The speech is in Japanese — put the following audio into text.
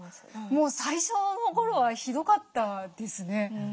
もう最初の頃はひどかったですね。